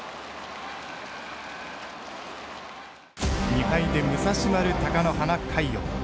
２敗で武蔵丸、貴乃花、魁皇。